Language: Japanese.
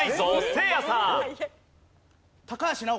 せいやさん。